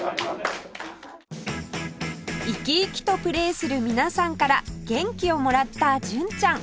生き生きとプレーする皆さんから元気をもらった純ちゃん